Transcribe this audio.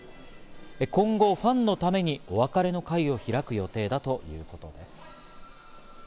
今後ファンのためにお別れの会を開く予定だということです。